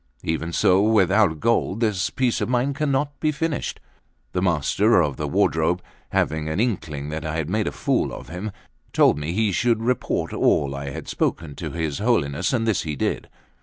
Even so without gold this piece of mine cannot be finished." The Master of the Wardrobe, having an inkling that I had made a fool of him, told me he should report all I had spoken to his Holiness; and this he did.